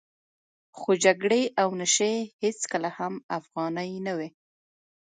خو جګړې او نشې هېڅکله هم افغاني نه وې.